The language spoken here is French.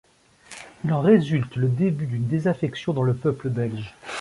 Il en résulte le début d'une désaffection dans le peuple belge.